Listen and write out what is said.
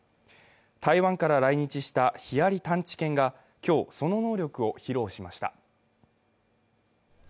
台湾から来日したヒアリ探知犬が今日、その能力を披露しました。